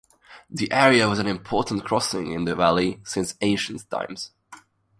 The area was an important crossing in the valley since ancient times.